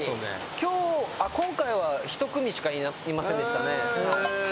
今日今回は１組しかいませんでしたね。